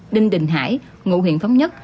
đinh đình hải ngụ huyện thống nhất